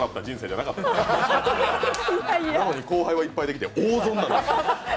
なのに、後輩はいっぱいできて、大損なんです。